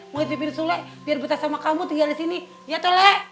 mau dipimpin sule biar betas sama kamu tinggal disini ya tolek